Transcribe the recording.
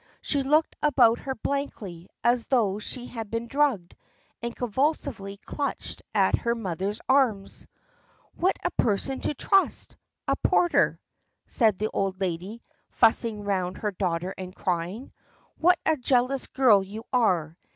She looked about her blankly, as though she had been drugged, and convulsively clutched at her mother's arms. "What a person to trust: a porter!" said the old lady, fussing round her daughter and crying. "What a jealous girl you are!